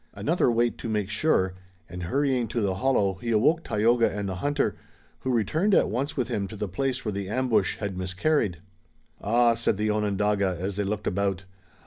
Another wait to make sure, and hurrying to the hollow he awoke Tayoga and the hunter, who returned at once with him to the place where the ambush had miscarried. "Ah!" said the Onondaga, as they looked about.